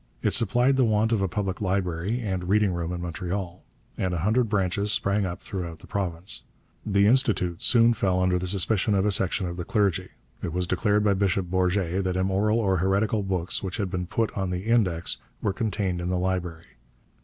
It supplied the want of a public library and reading room in Montreal, and a hundred branches sprang up throughout the province. The Institut soon fell under the suspicion of a section of the clergy. It was declared by Bishop Bourget that immoral or heretical books which had been put on the Index were contained in the library.